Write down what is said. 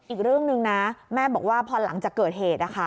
อีกเรื่องหนึ่งนะแม่บอกว่าพอหลังจากเกิดเหตุ